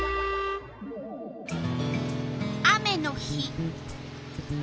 雨の日。